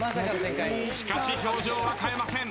しかし表情は変えません。